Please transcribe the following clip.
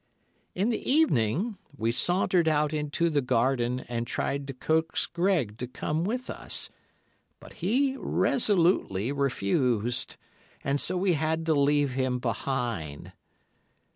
"In the evening we sauntered out into the garden and tried to coax Greg to come with us, but he resolutely refused, and so we had to leave him behind.